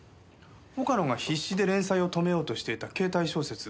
岡野が必死で連載を止めようとしていたケータイ小説。